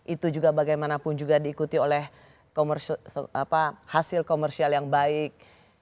itu juga bagaimanapun juga diikuti oleh hasil komersial yang baik